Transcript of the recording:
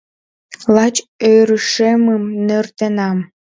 Лач ӧрышемым нӧртенам.